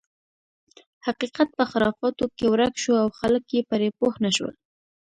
حقیقت په خرافاتو کې ورک شو او خلک یې پرې پوه نه شول.